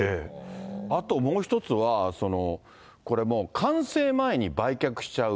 あともう一つは、これもう、完成前に売却しちゃう。